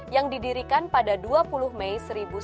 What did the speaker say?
yang didirikan pada dua puluh mei seribu sembilan ratus sembilan puluh